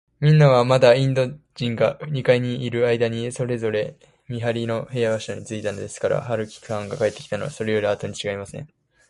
みんなは、まだインド人が二階にいるあいだに、それぞれ見はりの部署についたのですから、春木さんが帰ってきたのは、それよりあとにちがいありません。